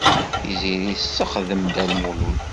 Tiziri tessexdem Dda Lmulud.